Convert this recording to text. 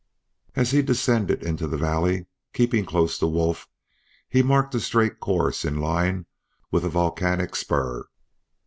As he descended into the valley, keeping close to Wolf, he marked a straight course in line with a volcanic spur.